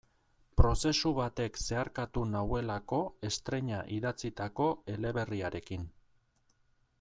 Prozesu batek zeharkatu nauelako estreina idatzitako eleberriarekin.